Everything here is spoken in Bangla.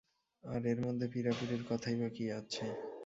আর, এর মধ্যে পীড়াপীড়ির কথাই বা কী আছে।